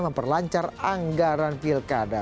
memperlancar anggaran pilkada